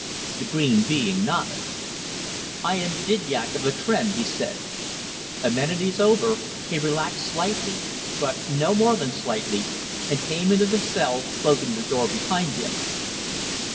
The green being nodded. "I am Didyak of the Tr'en," he said. Amenities over with, he relaxed slightly but no more than slightly and came into the cell, closing the door behind him.